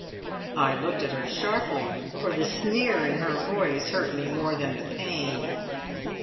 I looked at her sharply, for the sneer in her voice hurt me more than the pain.